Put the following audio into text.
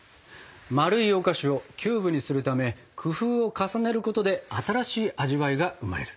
丸いお菓子をキューブにするため工夫を重ねることで新しい味わいが生まれる。